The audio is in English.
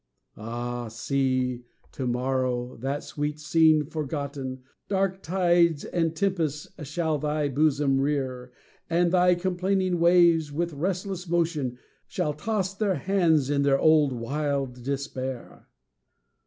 Ah, sea! to morrow, that sweet scene forgotten, Dark tides and tempests shall thy bosom rear; And thy complaining waves, with restless motion, Shall toss their hands in their old wild despair.